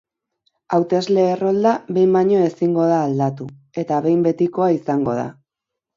Hautesle-errolda behin baino ezingo da aldatu, eta behin betikoa izango da.